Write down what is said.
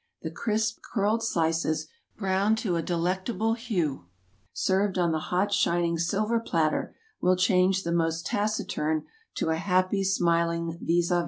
The crisp curled slices, browned to a delec table hue, served on the hot shining silver platter, will change the most taciturn to a happy smiling vis a vis.